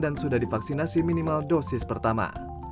dan sudah divaksinasi minimal dosis pertama